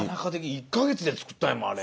１か月でつくったんやもんあれ。